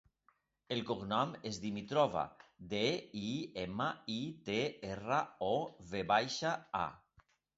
El cognom és Dimitrova: de, i, ema, i, te, erra, o, ve baixa, a.